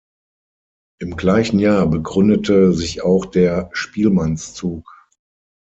Im gleichen Jahr begründete sich auch der Spielmannszug.